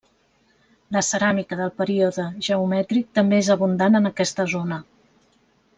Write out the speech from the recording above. La ceràmica del període geomètric també és abundant en aquesta zona.